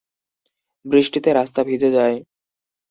বৃষ্টিতে রাস্তা ভিজে যায়।